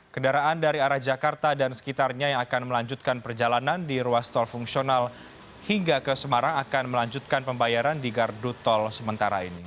kendaraan dari arah jakarta dan sekitarnya yang akan melanjutkan perjalanan di ruas tol fungsional hingga ke semarang akan melanjutkan pembayaran di gardu tol sementara ini